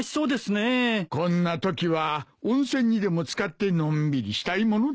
こんなときは温泉にでも漬かってのんびりしたいものだ。